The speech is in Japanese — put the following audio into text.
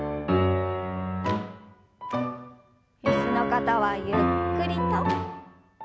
椅子の方はゆっくりと。